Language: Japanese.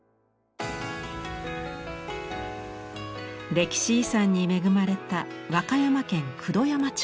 歴史遺産に恵まれた和歌山県九度山町。